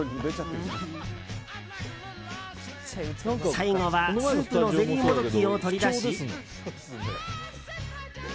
最後はスープのゼリーもどきを取り出し。